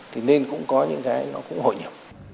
thì nên cũng có những cái nó cũng hội nhập